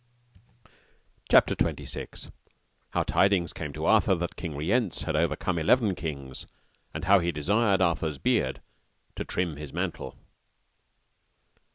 CHAPTER XXVI. How tidings came to Arthur that King Rience had overcome eleven kings, and how he desired Arthur's beard to trim his mantle.